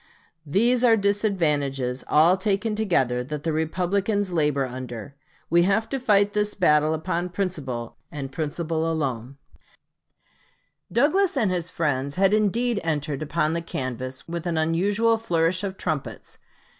These are disadvantages all taken together, that the Republicans labor under. We have to fight this battle upon principle, and principle alone." 1858. Douglas and his friends had indeed entered upon the canvass with an unusual flourish of trumpets.